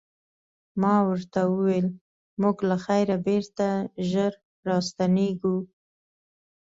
ما ورته وویل موږ له خیره بېرته ژر راستنیږو.